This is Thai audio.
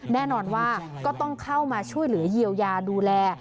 แน่นอนว่าก็ต้องเข้ามาช่วยเหลือเยียวยาดูแล